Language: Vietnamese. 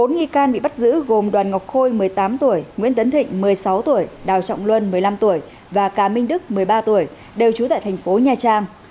bốn nghi can bị bắt giữ gồm đoàn ngọc khôi một mươi tám tuổi nguyễn tấn thịnh một mươi sáu tuổi đào trọng luân một mươi năm tuổi và cá minh đức một mươi ba tuổi đều trú tại thành phố nha trang